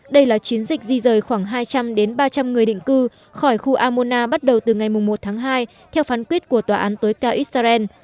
đây là chiến dịch di rời khoảng hai trăm linh ba trăm linh người định cư khỏi khu amona bắt đầu từ ngày một tháng hai theo phán quyết của tòa án tối cao israel